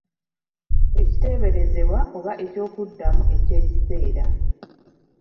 Ekiteeberezebwa oba eky'okuddamu ekyekiseera.